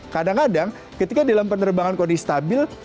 kadang kadang ketika dalam penerbangan kondisi stabil